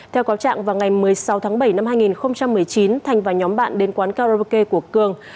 theo cáo trạng vào ngày một mươi sáu tháng bảy năm hai nghìn một mươi chín thành và nhóm bạn đến quán karaoke của cường